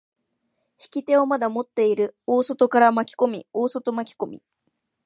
引き手をまだ持っている大外から巻き込み、大外巻き込み。